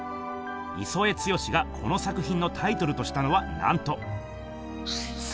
磯江毅がこの作ひんのタイトルとしたのはなんと！